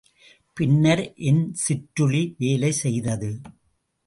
பின்னர் என் சிற்றுளி வேலை செய்தது.